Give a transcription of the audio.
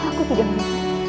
aku tidak menipu